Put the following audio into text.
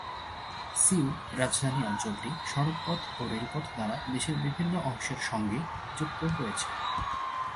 Seoul রাজধানী অঞ্চলটি সড়ক পথ ও রেলপথ দ্বারা দেশের বিভিন্ন অংশের সঙ্গে যুক্ত রয়েছে।